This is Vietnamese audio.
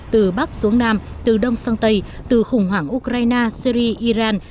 từ bắc xuống nam từ đông sang tây từ khủng hoảng ukraine syri iran